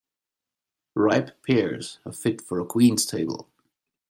Ripe pears are fit for a queen's table.